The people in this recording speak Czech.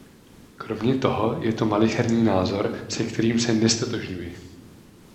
Kromě toho je to malicherný názor, se kterým se neztotožňuji.